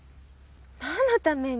何のために？